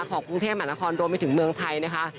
ของกรุงเทพมหานครรวมไปถึงเมืองไทยนะคะ